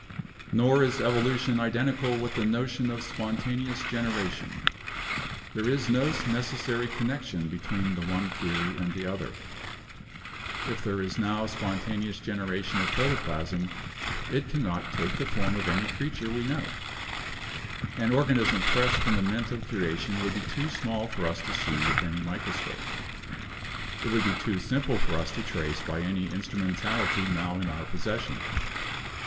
"Nor is evolution identical with the notion of spontane ous generation. There is no necessary connection between the one theory and the other. If there is now spontaneous generation of protoplasm, it cannot take the form of any creature we know. An organism fresh from the mint of creation would be too small for us to see with any micro scope. It would be too simple for us to trace by any instrumentality now in our possession.